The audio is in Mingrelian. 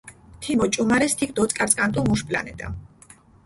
თიმ ოჭუმარეს თიქ დოწკარწკანტუ მუშ პლანეტა.